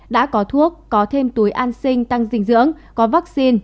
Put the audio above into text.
đã có thuốc có thêm túi an sinh tăng dinh dưỡng có vaccine